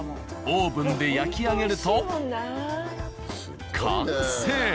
オーブンで焼き上げると完成。